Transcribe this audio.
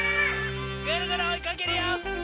ぐるぐるおいかけるよ！